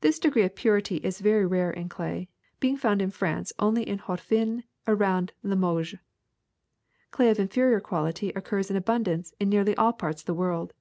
This degree of purity is very rare in clay, being found in. France only in Haute Vienne, around Limoges. Clay of in ferior quality occurs in abundance in nearly all parts of the world.